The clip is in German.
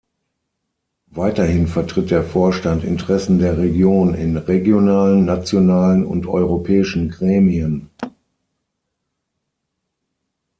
Weiterhin vertritt der Vorstand Interessen der Region in regionalen, nationalen und europäischen Gremien.